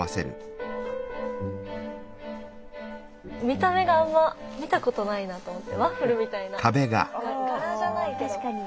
見た目があんま見たことないなと思ってワッフルみたいな。